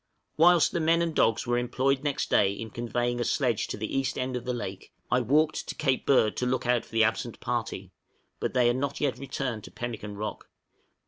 Whilst the men and dogs were employed next day in conveying a sledge to the east end of the lake, I walked to Cape Bird to look out for the absent party, but they had not yet returned to Pemmican Rock.